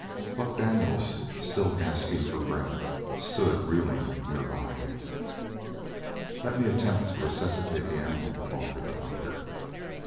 Buck Daniels, still gasping for breath, stood reeling nearby. "Let me attempt to resuscitate the animal," offered the doctor.